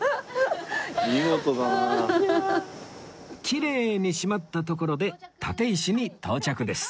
きれいに閉まったところで立石に到着です